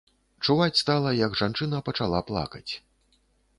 Чуваць стала, як жанчына пачала плакаць.